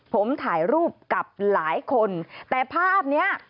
ผมถ่ายรูปกับหลายคนแต่ภาพเนี้ย